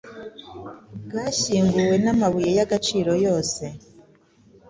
bwashyinguwe n'amabuye y'agaciro yose.